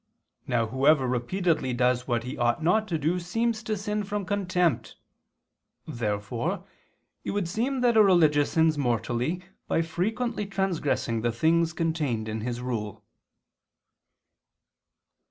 Now whoever repeatedly does what he ought not to do seems to sin from contempt. Therefore it would seem that a religious sins mortally by frequently transgressing the things contained in his rule.